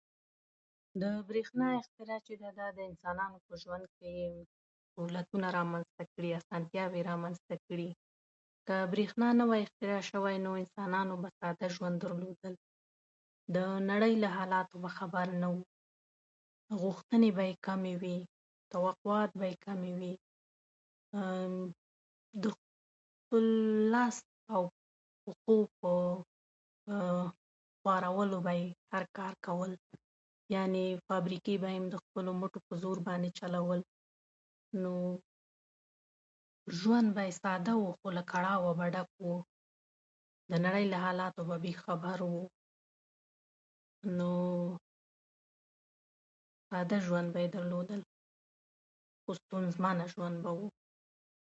خاوره چې د ونو بوټو د کرلو لپاره ځانګړی ارزښت لري ،بايد له شړيدلو ،ويجاړيدو او شاړې پاتې کیدو څخه وساتل شي،